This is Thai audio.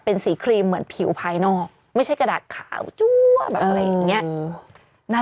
เป็นสีครีมเหมือนผิวภายนอกไม่ใช่กระดาษขาวจั๊วแบบอะไรอย่างนี้